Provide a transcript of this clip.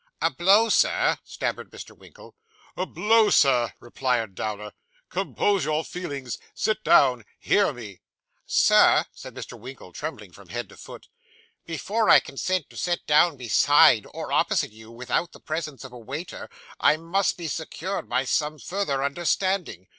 'A blow, Sir?' stammered Mr. Winkle. 'A blow, Sir,' replied Dowler. 'Compose your feelings. Sit down. Hear me.' 'Sir,' said Mr. Winkle, trembling from head to foot, 'before I consent to sit down beside, or opposite you, without the presence of a waiter, I must be secured by some further understanding.